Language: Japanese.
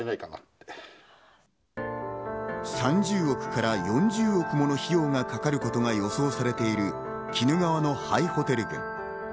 ３０億から４０億もの費用がかかることが予想されている鬼怒川の廃ホテル群。